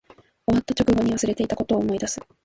終わった直後に忘れていたことを思い出す